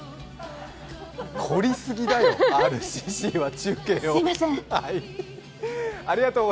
こりすぎだよ、ＲＣＣは中継を。